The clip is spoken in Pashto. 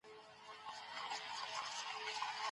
که باران ونه وریږي بوټي به مړاوي سي.